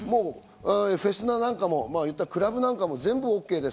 フェスなんかもクラブなんかも全部ＯＫです。